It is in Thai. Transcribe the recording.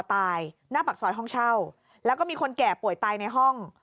หน้าปากซอยห้องเช่าแล้วก็มีคนแก่ป่วยตายในห้อง